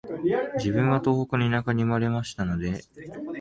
自分は東北の田舎に生まれましたので、